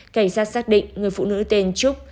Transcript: cảnh sát xác định người phụ nữ tên trúc